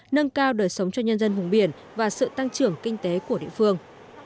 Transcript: nâng cao đời sống cho nhân dân vùng biển và sự tăng trưởng kinh tế của địa phương